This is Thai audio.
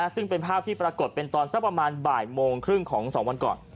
ซึ่งเป็นภาพที่ปรากฏเป็นตอนสักประมาณบ่ายโมงครึ่งของ๒วันก่อน